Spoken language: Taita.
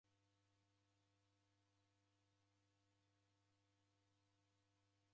Vala vapo vaw'aw'a kuchumua mbemba